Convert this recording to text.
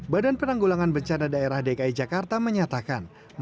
badan penanggulangan bencana daerah dki jakarta menyatakan